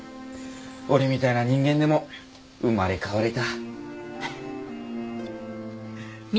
俺みたいな人間でも生まれ変われた。